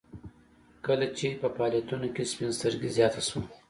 کله چې په فعالیتونو کې سپین سترګي زیاته شوه